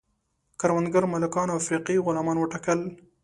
کروندو مالکانو افریقایي غلامان وټاکل.